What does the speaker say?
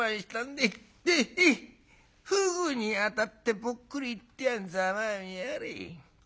でふぐにあたってぽっくり逝ってざまあみやがれい」。